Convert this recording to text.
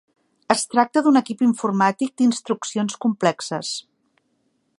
Es tracta d'un equip informàtic d'instruccions complexes.